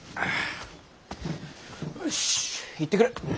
よし行ってくる。